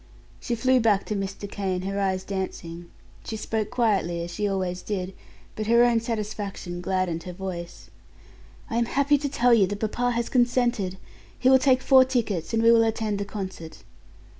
She flew back to Mr. Kane, her eyes dancing. She spoke quietly, as she always did, but her own satisfaction gladdened her voice. "I am happy to tell you that papa has consented. He will take four tickets and we will attend the concert."